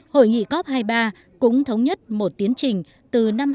hội nghị cop hai mươi ba cũng thống nhận được những nền kinh tế xanh